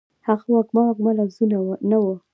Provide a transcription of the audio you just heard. هغه وږمه، وږمه لفظونه ، نه وه